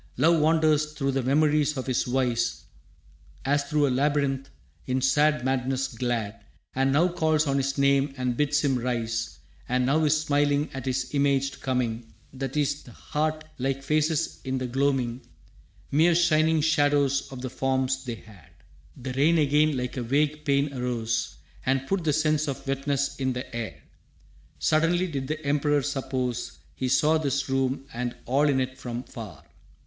Love wanders through the memories of his vice As through a labyrinth, in sad madness glad, And now calls on his name and bids him rise, And now is smiling at his imaged coming That is i'th'heart like faces in the gloaming Mere shining shadows of the forms they had. The rain again like a vague pain arose And put the sense of wetness in the air. Suddenly did the Emperor suppose He saw this room and all in it from far.